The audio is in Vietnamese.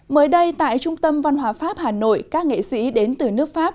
mới đây tại trung tâm văn hóa pháp hà nội các nghệ sĩ đến từ nước pháp